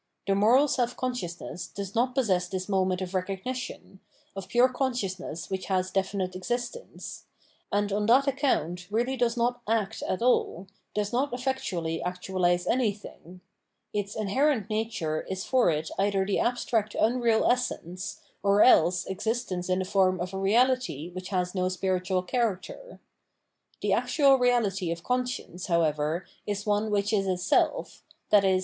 The moral self consciousness does not possess this moment of recog nition, of pure consciousness which has definite exist ence ; and on that accoimt really does not " act " at aU, does not efiectuaUy actualise anything. Its inher ent nature is for it either the abstract unreal essence, or else existence in the form of a reality which has no spiritual character. The actual reality of conscience, however, is one which is a self, i.e.